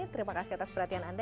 terima kasih atas perhatian anda